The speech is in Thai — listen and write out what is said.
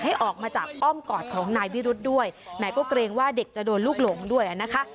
ให้ออกมาจากอ้อมกอดของนายวิรุธด้วยแหมก็เกรงว่าเด็กจะโดนลูกหลงด้วยนะคะ